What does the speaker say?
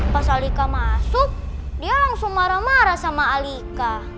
pas alika masuk dia langsung marah marah sama alika